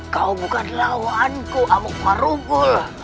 kau bukan lawanku amuk marubullah